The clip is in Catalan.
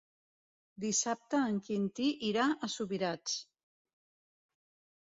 Dissabte en Quintí irà a Subirats.